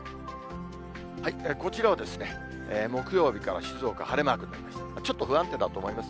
こちらは木曜日から静岡は晴れマークです。